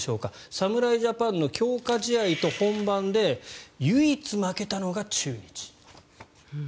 侍ジャパンの強化試合と本番で唯一負けたのが中日。